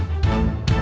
gak ada kecepatan